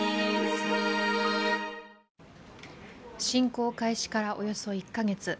侵攻開始からおよそ１カ月。